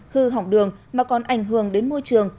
hư hỏng đường mà còn ảnh hưởng đến môi trường